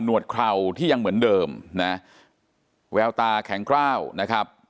วดเคราที่ยังเหมือนเดิมนะแววตาแข็งกล้าวนะครับ